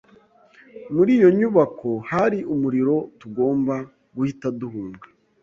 Muri iyo nyubako hari umuriro. Tugomba guhita duhunga.